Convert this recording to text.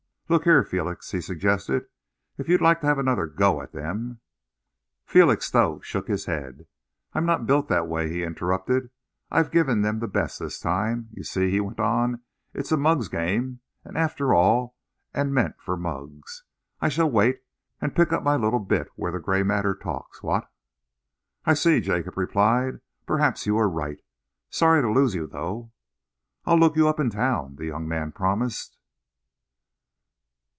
"Look here, Felix," he suggested, "if you'd like to have another go at them " Felixstowe shook his head. "I'm not built that way," he interrupted. "I've given them best this time. You see," he went on, "it's a mug's game, after all, and meant for mugs. I shall wait and pick up my little bit where the grey matter talks, what?" "I see," Jacob replied. "Perhaps you are right. Sorry to lose you, though." "I'll look you up in town," the young man promised.